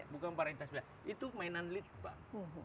bukan varietas itu mainan lead bank